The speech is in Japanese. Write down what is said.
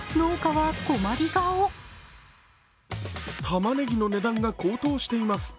玉ねぎの値段が高騰しています。